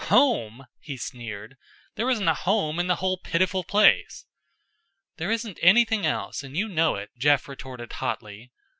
"Home!" he sneered. "There isn't a home in the whole pitiful place." "There isn't anything else, and you know it," Jeff retorted hotly.